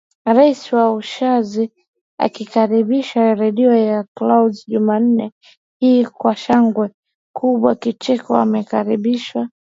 Rais wa Uswazi akikaribishwa redio ya Clouds Jumanne hii kwa shangwe kubwa Kicheko amekaribishwa